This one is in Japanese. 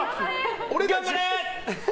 俺、頑張れ！